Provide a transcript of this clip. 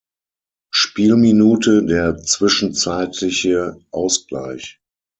Spielminute der zwischenzeitliche Ausgleich.